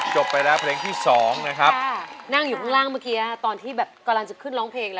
ใจหนูคนลองกดดันเหรอ